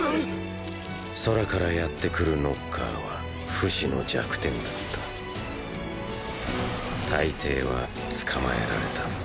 空からやって来るノッカーはフシの弱点だった大抵は捕まえられた。